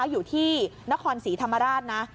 อยู่ที่นครศรีธรรมราชนะ